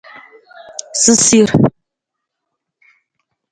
Susuur.